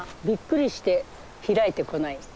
びっくりして開いてこない。